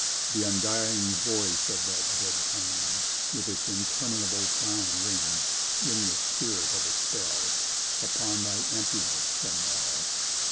Th' undying voice of that dead time, With its interminable chime, Rings, in the spirit of a spell, Upon thy emptiness—a knell.